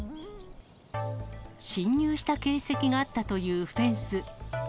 侵入した形跡があったというフェンス。